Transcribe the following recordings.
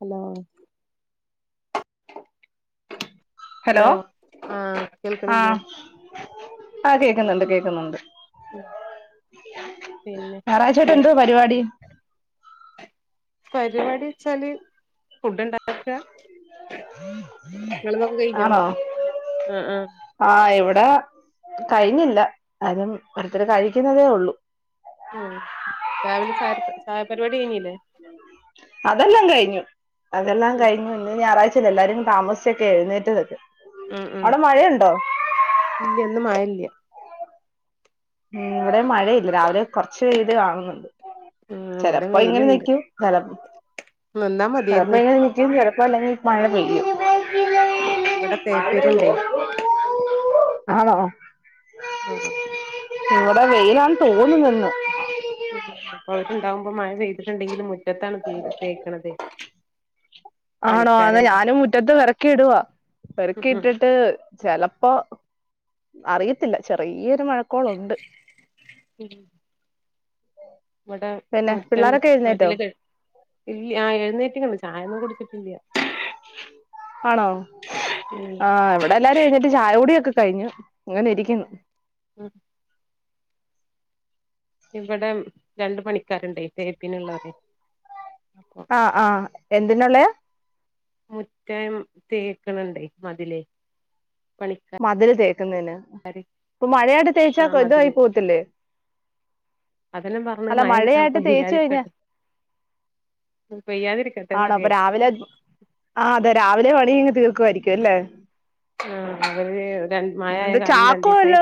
Hello hello അഹ് കേൾക്കണില്ലയേ അഹ് കേക്കുന്നുണ്ട് കേൾക്കുന്നുണ്ട് പിന്നെ ഞായറാഴ്ചേട്ട എന്തോ പരിപാടി പരിപാടി വെച്ചാല് ഫുഡ് ഉണ്ടാക്കാ നിങ്ങൾതൊക്കെ കഴിഞ്ഞോ ആണോ അഹ് അഹ് ആഹ് ഇവിടെ കഴിഞ്ഞില്ല അതും ഓരോരുത്തർ കഴിക്കുന്നതേ ഉള്ളൂ ഉം രാവിലെ ചായ ര്പ ചായ പരിപാടി കഴിഞ്ഞില്ലേ അതെല്ലാം കഴിഞ്ഞു അതെല്ലാം ഉം കഴിഞ്ഞു ഇന്ന് ഞായറാഴ്ചല്ലേ എല്ലാരും താമസിചോക്കെയ എഴുന്നേറ്റത് ഉം ഉം ഇല്ല ന്ന് മഴല്ല ഉം ഇവിടെ മഴയില്ല രാവിലെ കുറച്ച് ത് വാങ്ങുന്നുണ്ട് ആഹ് ഇവിടെ ചിലപ്പോ ഇങ്ങനെ വെയിലുണ്ട് നിക്കൂ ചില നിന്നാ ചിലപ്പോ മതിയായിരുന്നു ഇങ്ങനെ നിക്കും ചിലപ്പോ അല്ലെങ്കിൽ മഴപെയ്യും ഇവിടെ തേപ്പേരുണ്ടേ [inaudible] ആന്നോ ആഹ് ഇവിടെ വെയിലാണ് തോന്നുന്നു ഇന്ന് ഉം അപ്പൊ അവരുണ്ടാവുമ്പോ മഴ പെയ്തിട്ടുണ്ടെങ്കിലും മുറ്റത്താണ് തേ തേക്കണതേ ആണോ എന്ന ഞാനും മുറ്റത്ത് പെറക്കി ഇടുവാ ഉം പെറ്ക്കി ഇട്ടിട്ട് ചെലപ്പോ അറിയത്തില്ല ചെറിയൊരു മഴ ക്കോളുണ്ട് ഇവടെ മുറ്റം മതില് കെ ഇല്ല്യ ആഹ് എഴുന്നേറ്റ്ട്ടൊള്ളു ചായൊന്നും കുടിച്ചിട്ടില്ല ആണോ ആഹ് ഇവടെ എല്ലാരും എഴുന്നേറ്റ് ചായകുടിയൊക്കെ കഴിഞ്ഞു ഇങ്ങനെ ഇരിക്ക്‌ന്ന് ഉം ഇവടെം രണ്ട് പണിക്കാര് ഇണ്ടെയ് തേപ്പിന് ഇള്ളോരെയ് അപ്പൊ അഹ് ആഹ് എന്തിനുള്ളെ മുറ്റം തേക്ക്‌ണ് ണ്ടെയ് മതില് പണിക്കാ മതില് തേയ്ക്ക്‌ന്നതിന് ഇപ്പൊ മഴയായിട്ട് തേച്ചാ ആ ഇതായി മതില് പോവത്തില്ലേ അതെല്ലാം പറഞ്ഞ് അല്ല മഴ അപ്പൊ മഴയായിട്ട് തേച്ച് കഴിഞ്ഞ ഇല്ലാതിരിക്കട്ടെ ആണോ അപ്പൊ പെയ്യാതിരിക്കട്ടെന്നറിയേ രാവിലെ ആഹ് അതെ രാവിലെ പണിങ്ങ് തീർക്കുവായിരിക്കും അല്ലെ ആഹ് അവര് രണ്ട് മഴ ആയ എന്നിട്ട് കാരണം ചാക്കോ രണ്ടീസയ് വല്ലോ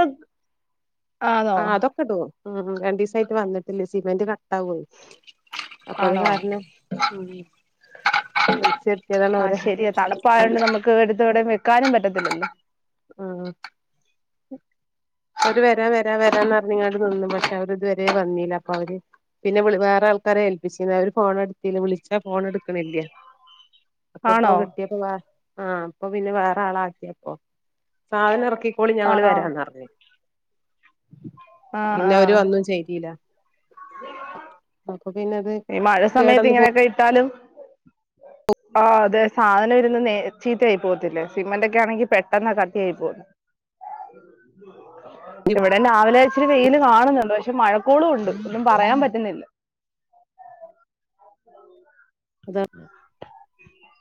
ആണോ ആഹ് അതൊ ക്കെട്ട്ക്ക്‌ണു ഉം ഉം രണ്ടീസം അയ്റ്റ് വന്ന്ട്ട്ല്ലെ സിമെന്റ് കട്ടാവൊയ് അപ്പ അത് ആണോ കാരണം ഉ [unintelligible] ച്ചൻ ആഹ് ശരിയാ തണുപ്പായോണ്ട് നമുക്ക് എടുത്ത് ഇവടെ നിക്കാനും പറ്റത്തില്ലല്ലോ ആഹ് അവര് വെരാ വെരാ വെരാന്ന അർഞ്ഞ്ങ്ങാണ്ട് നിന്നു പക്ഷേ അവര് ഇതുവരെ വന്നീല അപ്പൊ അവര് പിന്നെ ഞമ്മള് വേറെ ആൾക്കാരെ ഏൽപ്പിച്ചിന് അവര് ഫോണ് എട്ത്തീല്ല വിളിച്ചാ ഫോണ് എട്ക്ക്‌ണില്ലേ അപ്പൊ ഇപ്പോ ആണോ കിട്ടിയപ്പോ വ ആഹ് അപ്പൊ പിന്നെ വേറെ ആളെ ആക്ക്യേപ്പൊ സാധനം എറക്കിക്കോളി ഞങ്ങള് ആണോ വെരാന്നർഞ്ഞ് ആ ആ പിന്നെ അവര് വന്നും ചെയ്തീല്ല അപ്പൊ പിന്നെ അത് കേടെന്ന് പോ ഇവ്ടെ ഇട്ടാലും ഒ ആഹ് അതെ സാധനം ഇരുന്ന് ന്നെ ചീത്തയായി പോകത്തില്ലേ സിമെന്റ് ഒക്കെ ആണെങ്കിൽ പെട്ടെന്ന് അഹ് കട്ടയായി പോകും [unintelligible] ഇവിടേം രാവിലെ ഇച്ചിരി വെയില് കാണ്ന്നുണ്ട് പക്ഷെ മഴക്കോളും ഉണ്ട് ഒന്നും പറയാൻ പറ്റ്ന്നില്ല അതാ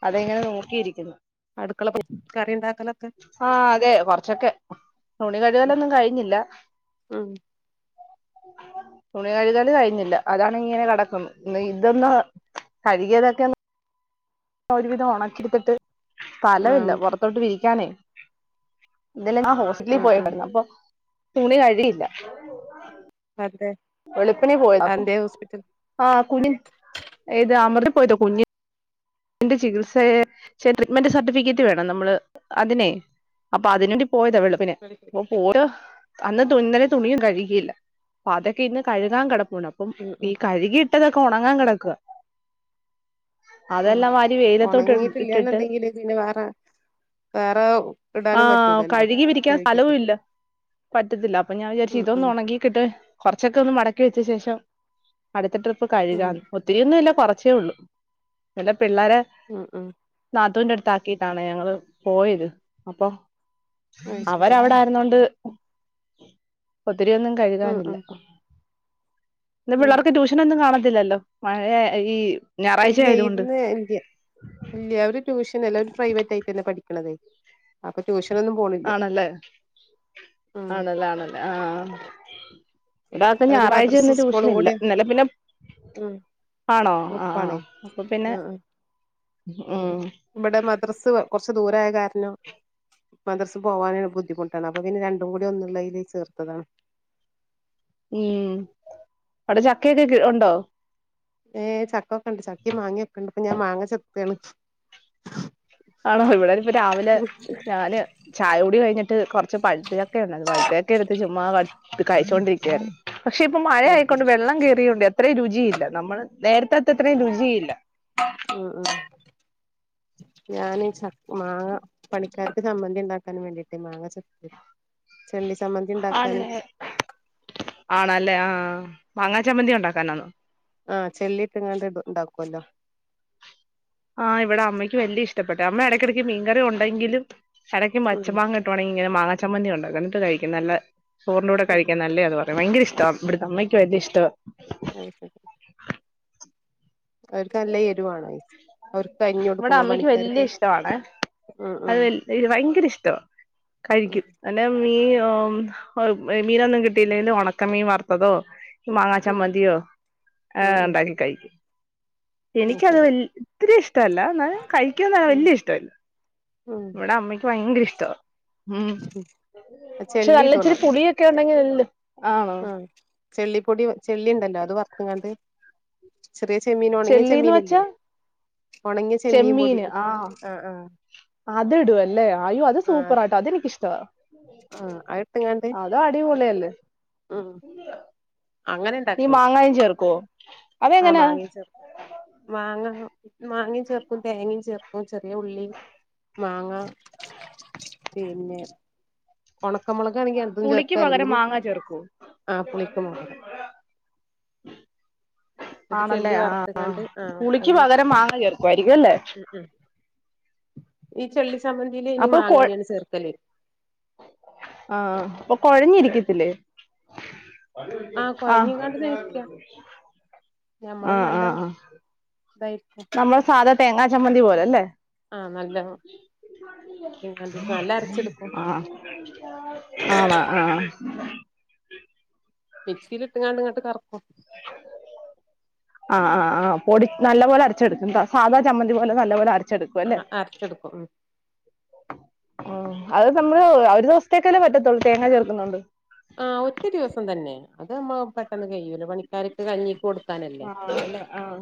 അതാ ഇങ്ങനെ നോക്കി ഇരിക്യിന്ന് അട്ക്കള പ കറി ഇണ്ടാക്കലൊക്കെ ആഹ് അതെ കൊറച്ചൊക്കെ തുണി കഴുകലൊന്നും കഴിഞ്ഞില്ല ഉം തുണി കഴുകല് കഴിഞ്ഞില്ല അതാണ് ഇങ്ങനെ കെടക്ക്‌ന്ന് ന്ന ഇതൊന്ന് കഴുകിയതൊക്കെ ഒന്ന് ഒരുവിധം ഒണക്കിട്ത്ത്ട്ട് സ്ഥലവില്ല ആഹ് പൊറ ത്തോട്ട് വിരിക്കാനേ ഇന്നലെ ഞാൻ ഹോസ്പിറ്റലി ആഹ് ആഹ് പോയണ്ടായ്ര്ന്നു അപ്പൊ തുണി കഴിക്യില്ല അഹ് എന്തെ വെളുപ്പിനേ പോയതാ ആഹ് കുഞ്ഞ്ന് ഏത് അമർതി പോയിട്ട്ട് കുഞ്ഞി ന്റെ ചികിത്സയേ ചെയ്ത് ട്രീറ്റ്മെന്റ് സർട്ടിഫിക്കറ്റ് വേണം നമ്മള് അതിനേ അപ്പൊ അതിനേണ്ടി പോയതാ വെളുപപ്പിന് അപ്പൊ പൂരോ അന്ന് തുന്നല് തുണിയും കഴുകിയില്ല അപ്പ അതൊക്കെ ഇന്ന് കഴുകാൻ കെടപ്പുണ്ട് അപ്പൊ ഉം ഈ ഉം കഴുകിയിട്ടതൊക്കെ ഒണങ്ങാൻ കെടക്കുവാ ഉം അതെല്ലാം വാരി വെയിലത്തോട്ട് ഇ ഇട്ട്ട്ട് ഉണങ്ങിയിട്ടില്ലന്നുണ്ടെങ്കില് പിന്നെ വേറെ വേറെ ഇടാനും ആഹ് പറ്റൂലല്ലോ കഴുകി വിരിക്കാൻ കഴുകി സ്ഥലവും ഇല്ല പറ്റത്തില്ല അപ്പൊ ഞാൻ വിചാരിച്ചു ഉം ഉം ഇതൊന്നൊണക്കി ക്ക്ട്ട് കൊർച്ചൊക്കൊന്ന് മടക്കി വെച്ച ശേഷം അടുത്ത ട്രിപ്പ് ഉം കഴുകാന്ന് ഒത് ത്തിരിയൊന്നുല്ല കൊറച്ചേ ഉള്ളു എന്റെ പിള്ളാരെ ഉം ഉം നാത്തൂന്റെട്ത്താക്കിട്ടാണ് ഞങ്ങള് പോയത് അപ്പൊ അത് ശരി അവരവടെ ക്ക്ന്നോണ്ട് ഒത്തിരി ഒന്നും ഉം കഴുകാനില്ല ഉം ഇന്ന് ഉം പിള്ളാർക്ക് ട്യൂഷനൊന്നും കാണത്തില്ലല്ലോ മഴ ഈ ഇല്ല ഞാറാഴ്ച്ചായതുകൊ ഇന്ന് ഇല്ല ഇല്ല അവര് ട്യൂഷൻ അല്ല അവര് പ്രൈവറ്റായിട്ടല്ലെ പഠിക്കണത് അപ്പൊ ട്യൂഷനൊന്നും പോണില്ല ആണല്ലേ ഉം ആണല്ലേ ആണല്ലേ ആഹ് ഇടാക്ക് ഒരു ഞാറാഴ്ച മദ്രസ് ഇന്ന് സ്കൂളും ട്യൂഷന്ല്ല കൂടി ഇന്നലെ പിന്നെ ഉം ആണോ ആഹ് ഒപ്പാണേ ആഹ് അപ്പൊ പിന്നെ ഉം ഇവടെ മദ്രസ് കൊർച്ച് ദൂരായ കാരണം മദ്രസ് പോവാന് ബുദ്ധിമുട്ടാണ് അപ്പൊ പിന്നെ രണ്ടും കൂടി ഒന്നുള്ളതില് ചേർത്തതാണ് ഉം അവടെ ചക്കയൊക്കെ കെ ഒണ്ടോ ഏ ചക്ക ഒക്കെണ്ട് ചക്കിം മാങ്ങയൊക്കെ ണ്ട് ഇപ്പൊ ഞാൻ മാങ്ങ ചെത്താണ് ആണോ ഇവടെനിപ്പ രാവിലെ ഞാന് ചായൂടി കഴിഞ്ഞിട്ട് കൊർ ച്ച് പഴുത്ത ചക്ക ആണത് പഴുത്ത ചക്കെട്ത്ത് ചുമ്മാ ത്ത് കഴിച്ചോണ്ടിരിക്കായാര്ന്നു പക്ഷെ ഇപ്പൊ മഴയായിക്കൊണ്ട് വെള്ളം കേറിയൊണ്ടെ അ ത്രയും രുചിയില്ല നമ്മള് നേര്ത്തത്രയും രുചിയില്ല ഉം ഉം ഞാന് ചക്ക് മാങ്ങ പണിക്കാർക്ക് ചമ്മന്തിണ്ടാക്കാൻ വേണ്ടിട്ടെ മാങ്ങ ചെത്ത ചെള്ളി ചമ്മ ആണ് ലെ ആണല്ലേ ആഹ്‌ മാങ്ങാ ചമ്മന്തി ഒണ്ടാക്കാനാന്നോ ആഹ് ചെള്ളിട്ട്ങ്ങാണ്ട് ണ്ടാക്കുവല്ലോ ആഹ് ഇവടെ അമ്മയ്ക്ക് വെല്യ ഇഷ്ടപ്പെട്ട അമ്മ എടക്കെടയ്ക്ക് മീൻകറി ഒണ്ടെങ്കിലും എടയ്ക്ക് ഉം മച്ചമാങ്ങ ട്ടാണെങ്കി ഇങ്ങനെ മാങ്ങ ചമ്മന്തി ഒണ്ടാക്കും എന്ന്ട്ട് കഴിക്കും നല്ലെ ചോറിന്റ്റൂടെ ഉം കഴിക്കാൻ നല്ലയാന്ന് പറ ഭയങ്കര ഇഷ്ടാ ഇവ്ട്ത്തെ അമ്മക്ക് ഭയങ്കര ഇഷ്ടവാ അയ് ശെരി നല്ല എരുവാണേ അവർക്ക് അരിഞ്ഞ് ഇവടെ കൊടുക്കുമ്പോ അമ്മയ്ക്ക് വെല്യ പണിക്കാർക്ക് ഇഷ്ടവാണെ ഉം അത് ഉം വെൽ ഭയങ്കര ഇഷ്ട ഉം കഴിക്കും അല്ലെ മീയോ മീനൊന്നും കിട്ടീല്ലേല് ഒണക്ക മീൻ വർത്തതോ മാങ്ങാ ഉം ചമ്മന്തിയോ എ ഉം ഉം ഉണ്ടാക്കി കഴിക്കും ഉം എനിക്കത് ശരി വെൽ ഇത്തിരി ഇഷ്ടല്ല ന്നാലും കഴിക്കൊ [unintelligible] ഉം വെല്യ ഇഷ്ടല്ല ഉം ഇവടെ അമ്മയ്ക്ക് ഭയങ്കര ഇഷ്ടവാ ഉം പക്ഷെ ചെള്ളി നല്ല ഇച്ചിരി പുളിയൊ ക്കെ ഒണ്ടെങ്കിൽ നല്ല് ആഹ്‌ ചെള്ളിപ്പൊടി ചെള്ളിണ്ടല്ലൊ അത് വർത്ത്ങ്ങാണ്ട് ചെറിയ ചെമ്മീൻ ഒണങ്ങിയ ചെല്ലീന്ന് ചെമ്മീനില്ലേ വെച്ചാ ഒണങ്ങിയ ചെമ്മീൻ പൊടി ചെമ്മീന് ആഹ് ആഹ്‌ ആഹ്‌ അത് ഇടുവല്ലേ അയ്യോ അത് സൂപ്പറാട്ടൊ അതെനിക്കിഷ്ടവാ ആഹ്‌ അത്ട്ട്ങ്ങാണ്ട് ത് അടിപൊളിയല്ലേ ഉം അങ്ങനെ ഈ മാങ്ങായും ചേർക്കോ ആഹ്‌ മാങ്ങേം ചേർക്കും മാങ്ങ മാങ്ങേം ചേർക്കും തേങ്ങേം ചേർക്കും ചെറിയ ഉള്ളി മാങ്ങ പിന്നെ ഒണക്കമുളക് ആണെങ്കി അതും പുളിക്ക് ചേർക്കാ പകരം അല്ലെങ്കില് മാങ്ങ ചേർക്കുവോ ആഹ്‌ പുളിക്ക് പകരം ഇന്നെട്ട് ചെള്ളി ആണല്ലേ ആഹ് വറ്ത്ത്ങ്ങാണ്ട് ആഹ്‌ പുളിക്ക് അയില് പകരം മാങ്ങ ചേർക്കുമായിരിക്കും അല്ലേ ഉം ഉം ഈ ചെള്ളി ചമ്മന്തീല് അയിന് അപ്പൊ കൊ മാങ്ങന്നെയാണ് ചേർക്കല് ആഹ്‌ പ്പൊ കൊഴഞ്ഞിരിക്കത്തില്ലേ? ആഹ് കൊഴഞ്ഞിങ്ങാണ്ട് ഇരിക്ക ആഹ്‌ ഞമ്മള് നല്ലോം ഇതായിരിക്കും നമ്മളെ സാധാ തേങ്ങാ ചമ്മന്തി പോലെ ലേ ആഹ്‌ നല്ലോം ആഹ്‌ അരച്ചെടുക്കും ആണ് ആഹ്‌ മിക്സീല് ഇട്ട്ങ്ങാണ്ട് ഇങ്ങെട്ട് കറക്കും ആഹ്‌ ആഹ്‌ ആഹ് പൊടി നല്ല പോലെ അരച്ചെടുക്കും എന്താ സാധാ ചമ്മന്തി പോലെ നല്ല പോലെ അര ച്ചെടുക്കും അല്ലേ ആഹ് അരച്ചെടുക്കും ഉം ആഹ്‌ അത് നമ്മള് ഒരു ദെവസത്തേക്കല്ലേ പറ്റത്തൊള്ള് തേങ്ങ ചേറ്ക്ക്ന്നോണ്ട് ആഹ്‌ ഒറ്റൊരു ദിവസം തന്നെ അത് നമ്മള് പെട്ടെന്ന് കഴിയൂലേ പണിക്കാർക്ക് കഞ്ഞീക്ക് കൊട് ആഹ്‌ അല്ലേ ആഹ്‌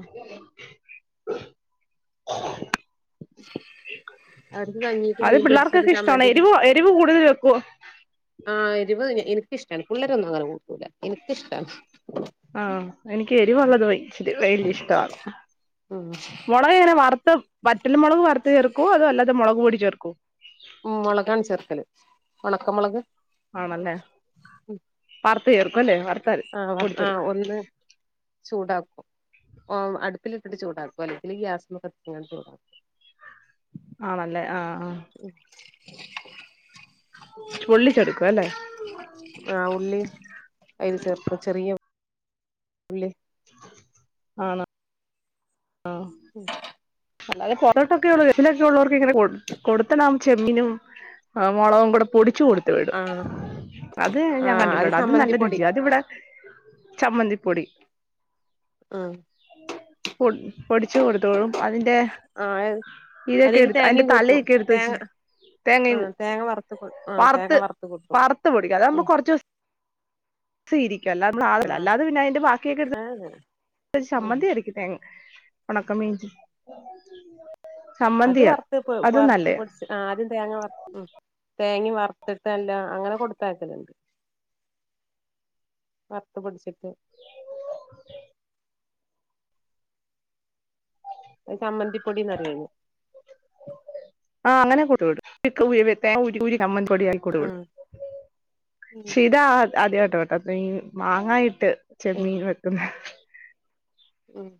അവർക്ക് കഞ്ഞീക്ക് അത് മീൻ പൊരിച്ചത് പിള്ളാർക്കൊക്കെ ഇഷ്ട്ടാണൊ ചമ്മന്തിം എരിവും എരിവ് കൂടുതല് ചേർക്കോ? ആഹ്‌ എരിവ് എ എനിക്കിഷ്ടാണ് പുള്ളരൊന്നും അങ്ങനെ കൂട്ടൂല എനിക്കിഷ്ട്ടാണ് ആഹ്‌ എനിക്ക് എരിവൊള്ളത് ഭയ ഭയങ്കര ഇഷ്ടാണ് ഉം മൊ മൊളക് എങ്ങനാ വറ്ത്ത് വറ്റല് മൊളക് വറുത്ത് ചേർക്കോ അതോ അല്ലാതെ മൊളക് പൊടി ചേർക്കോ? ഉം മൊളകാണ് ചേർക്കല് ഒണക്ക മൊളക് ആണല്ലേ വറ്ത്ത് ചേർക്കും അല്ലേ വർ ആഹ്‌ വർ ആഹ്‌ ഒന്ന് ചൂടാക്കും ഉം അടുപ്പിലിട്ടിട്ട് ചൂടാക്കും അല്ലെങ്കി ഗ്യാസ്മ്മെ കത്തിച്ച്ങ്ങാണ്ട് ചൂടാക്കും ആണല്ലേ ആഹ് ആഹ്‌ ഉം ഉള്ളി ചേർക്കും അല്ലേ ആഹ് ഉള്ളി അയില് ചേർക്കും ചെറിയ ഉള്ളി ആണ് അല്ലാതെ പൊറോട്ടൊക്കെ [unintelligible] ഉള്ളോറ്ക്കൊക്കെ ഇങ്ങനെ കൊട് കൊട്ത്ത്ടാൻ ചെമ്മീനും ആഹ് മൊളകും കൂടെ പൊടിച്ച് കൊട് ത്ത് വിടും ആഹ് അത് ഞാ ഞാൻ ആഹ് കണ്ടിട്ടുണ്ട് അത് നല്ല ചമ്മന്തിപ്പൊടി രുചിയാ അതിവിടെ ചമ്മന്തിപ്പൊടി ആഹ് പൊട് പൊടിച്ച് കൊട്ത്ത് വിടും അതിന്റെ ആഹ് ഇതൊക്കെ അതില് എടുത്ത് അതിന്റെ തേങ്ങയും കൂട്ടും തലയൊക്കെ ഇട്ത്ത് തേങ്ങ വെച്ച് തേങ്ങയും ആഹ് തേങ്ങ വറുത്ത് ആഹ് തേങ്ങ വറ്ത്ത് വറുത്ത് കൂട്ടും വറ്ത്ത് പൊടിക്കും അതാവുമ്പോ ഉം കൊറച്ച്സ് സ ഇരിക്കും അല്ലാതെ [unintelligible] ആഹ് അല്ലാതെ പിന്നെ അയിന്റെ ബാക്കിയൊക്കെ എട്ത്ത് ആഹ് ഉം ചമ്മന്തി അരക്കും തേങ് ഒണക്ക മീൻ അത് വറ്ത്ത് എപ്പഴും വറ്ത്ത് പൊടി ആദ്യം തേങ്ങ വർ ഉം തേങ്ങിം വറ്ത്തിട്ടെല്ലോം അങ്ങനെ കൊട്ത്തയക്കല്ണ്ട് വർത്ത് പൊട്ച്ചിട്ട്. അത് കമ്മന്തിപ്പൊടിന്ന് പറി അയ്ന്. ആഹ് അങ്ങനെ കൊടു വിടും. ചിക്കൻ ഉം [unintelligible] ഉം ക്ഷെ ഇത് ആ ആദ്യാട്ടാ ഇപ്പ ഈ മാങ്ങാ ഇട്ട് ചെമ്മീൻ വെക്കു ഉം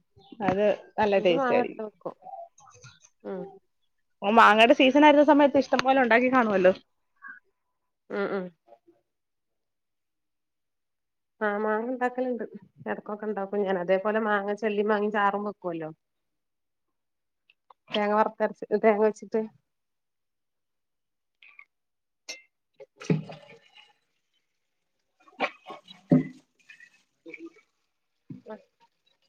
അത് നല്ല ഇത് ടേസ്റ്റ് മാങ്ങ ആയിരിക്കും. ഇട്ടിട്ട് വെക്കും ഉം ഓഹ് മാങ്ങയുടെ സീസൺ ആയിരുന്ന സമയത്ത് ഇഷ്ടം പോലെ ഉണ്ടാക്കി കാണോലൊ. ഉം ഉം ആഹ് മാങ്ങ ഇണ്ടാക്കല് ഇണ്ട്. എടക്കൊക്കെ ഉണ്ടാക്കും ഞാൻ അതേപോലെ. മാങ്ങ ചെല്ലി മാങ്ങ ചാറും വെക്ക്വല്ലോ. തേങ്ങ വറ്ത്തരച്ച് തേങ്ങ വെച്ചിട്ട് [inaudible]